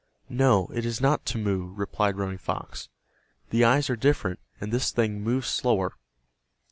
"No, it is not Timmeu," replied Running Fox. "The eyes are different, and this thing moves slower."